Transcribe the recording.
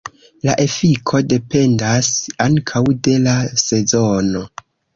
La efiko dependas ankaŭ de la sezono.